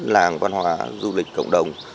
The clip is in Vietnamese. làng văn hóa du lịch cộng đồng